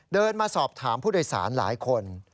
เดินมาสอบถามผู้โดยสารหลายคน